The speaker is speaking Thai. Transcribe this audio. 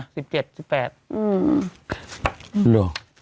เลือก